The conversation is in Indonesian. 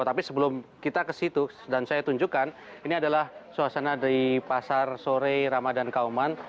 tapi sebelum kita ke situ dan saya tunjukkan ini adalah suasana dari pasar sore ramadhan kauman